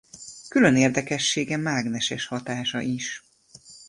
Külön érdekessége mágneses hatása is.